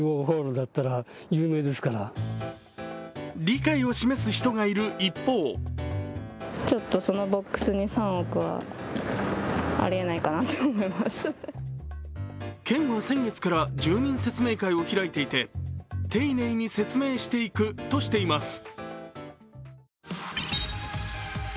理解を示す人がいる一方県は先月から住民説明会を開いていて丁寧に説明していくとしています。